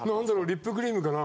リップクリームかな。